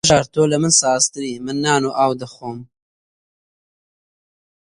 هەژار تۆ لە من سازتری، من نان و ئاو دەخۆم